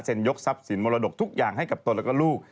ยกทรัพย์สินมรดกทุกอย่างให้กับตนแล้วก็ลูก